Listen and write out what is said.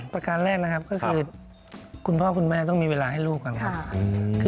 ประการแรกก็คือคุณพ่อคุณแม่ต้องมีเวลาให้ลูก